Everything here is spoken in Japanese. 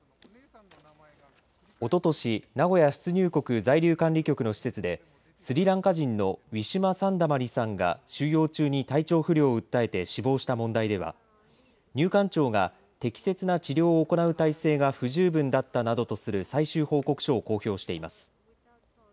おととし名古屋出入国在留管理局の施設でスリランカ人のウィシュマ・サンダマリさんが収容中に体調不良を訴えて死亡した問題では入管庁が適切な治療を行う体制が不十分だったなどとする最終報告書を公表しています。